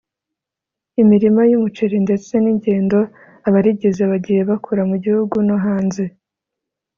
imirima y’umuceri ndetse n’ingendo abarigize bagiye bakora mu gihugu no hanze